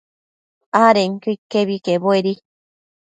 adenquio iquebi quebuedi